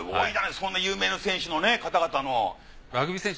そんな有名な選手の方々の。